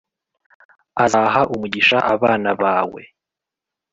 “azaha umugisha abana bawe,+